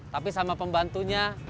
tapi sama pembantunya